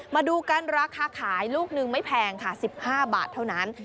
มาดูกันราคาขายลูกหนึ่งไม่แพงค่ะ๑๕บาทเท่านั้น